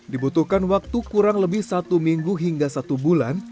dibutuhkan waktu kurang lebih satu minggu hingga satu bulan